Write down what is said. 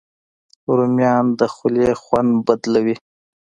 رومیان د خولې خوند بدلوي